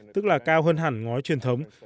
tức là cao hơn hẳn ngói truyền thống